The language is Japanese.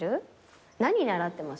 何習ってます？